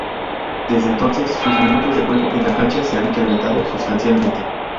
Desde entonces, sus minutos de juego en la cancha se han incrementado sustancialmente.